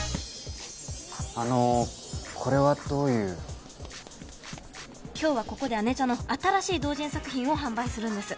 あのこれはどういう今日はここで姉者の新しい同人作品を販売するんです